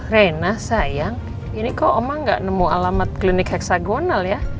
rena sayang ini kok omang gak nemu alamat klinik heksagonal ya